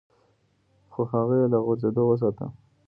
خو هغه يې له غورځېدو وساته.